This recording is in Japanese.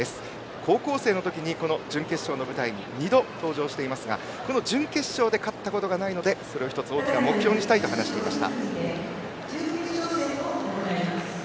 高校生の時に、準決勝の舞台に２度登場していますが準決勝で勝ったことがないのでそれを１つ大きな目標にしたいと話していました。